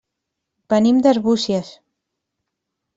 Venim d'Arbúcies.